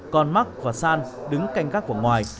còn mak và san đứng canh gác vòng ngoài